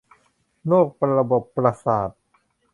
โรคระบบประสาท